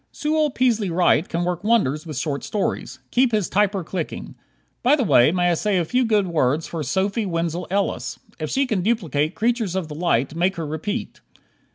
Sewell Peaslee Wright can work wonders with short stories. Keep his "typer" clicking. By the way, may I say a few good words for Sophie Wenzel Ellis? If she can duplicate "Creatures of the Light," maker her repeat.